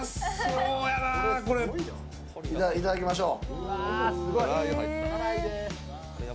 いただきましょう。